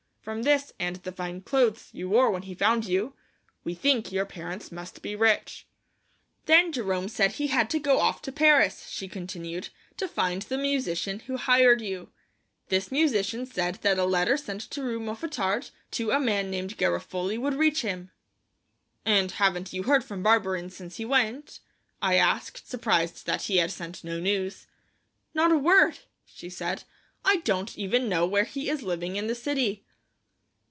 From this, and the fine clothes you wore when he found you, we think your parents must be rich. "Then Jerome said he had to go off to Paris," she continued, "to find the musician who hired you. This musician said that a letter sent to Rue Mouffetard to a man named Garofoli would reach him." "And haven't you heard from Barberin since he went?" I asked, surprised that he had sent no news. "Not a word," she said. "I don't even know where he is living in the city."